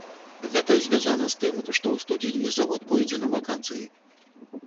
Гэта звязана з тым, што ў студзені завод пойдзе на вакацыі.